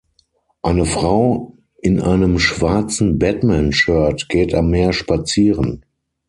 Eine Frau in einem schwarzen Batman-Shirt geht am Meer spazieren.